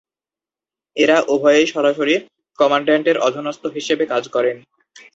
এরা উভয়েই সরাসরি কমান্ড্যান্টের অধস্তন হিসেবে কাজ করেন।